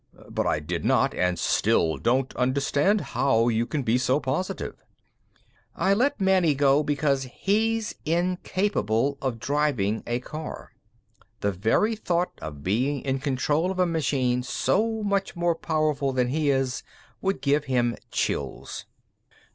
But I did not and still don't understand how you can be so positive." "I let Manny go because he's incapable of driving a car. The very thought of being in control of a machine so much more powerful than he is would give him chills.